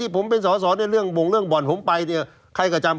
ผมปลอมตัวผมปลอมตัว